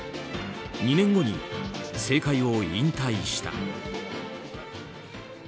２年後に政界を引退した。